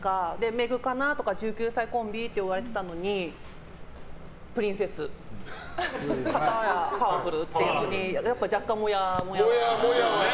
メグカナとか１９歳コンビって言われていたのにプリンセス片やパワフルっていうのに若干、モヤモヤしました。